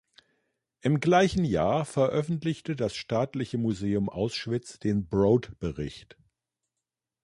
Im gleichen Jahr veröffentlichte das Staatliche Museum Auschwitz den "Broad-Bericht".